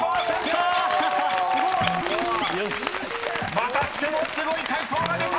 ［またしてもすごい解答が出た！］